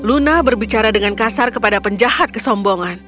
luna berbicara dengan kasar kepada penjahat kesombongan